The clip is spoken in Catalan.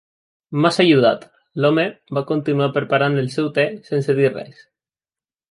"M'has ajudat." L'home va continuar preparant el seu te, sense dir res.